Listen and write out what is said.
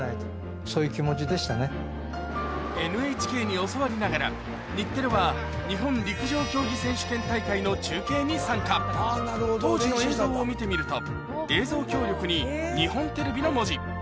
ＮＨＫに教わりながら日テレは日本陸上競技選手権大会の中継に参加当時の映像を見てみると映像協力に「日本テレビ」の文字